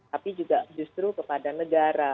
tapi juga justru kepada negara